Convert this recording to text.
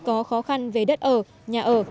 có khó khăn